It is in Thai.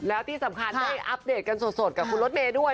แล้วที่สำคัญได้อัปเดตกันสดกับคุณรถเมย์ด้วย